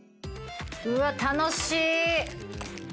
うわっ楽しい！